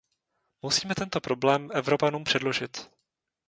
Musíme tento problém Evropanům předložit.